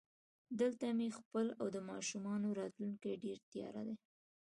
دلته مې خپل او د ماشومانو راتلونکی ډېر تیاره دی